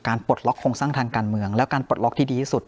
ปลดล็อกโครงสร้างทางการเมืองและการปลดล็อกที่ดีที่สุด